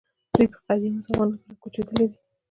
دوی په قدیمو زمانو کې راکوچېدلي دي.